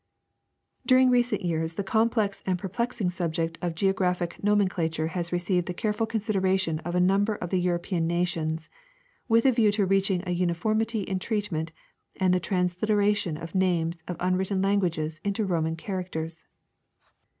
During recent years the complex and perplexing subject of geographic nomenclature has received the careful consideration of a number of the European nations, Avith a a'Icav to reaching a uniformity in treatment and the transliteration of names of un Avritten languages into Roman characters.